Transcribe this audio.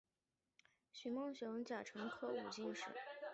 徐梦熊甲辰科武进士。